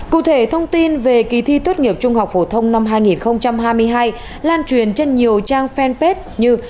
cụ thể thông tin về kỳ thi tốt nghiệp trung học phổ thông năm hai nghìn hai mươi hai lan truyền trên nhiều trang fanpage như